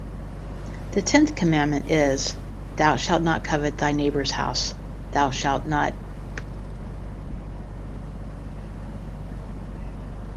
The tenth commandment is, Thou shalt not covet thy neighbor’s house, thou shalt not